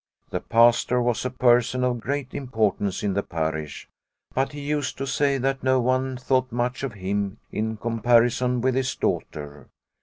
The Pastor was a person of great importance in the parish, but he used to say that no one thought much of him in comparison with his daughter.